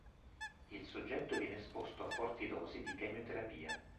Il soggetto viene esposto a forti dosi di chemioterapia